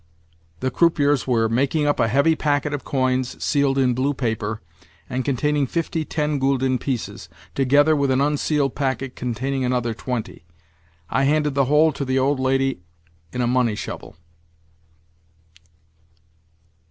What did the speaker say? The croupiers were making up a heavy packet of coins, sealed in blue paper, and containing fifty ten gülden pieces, together with an unsealed packet containing another twenty. I handed the whole to the old lady in a money shovel.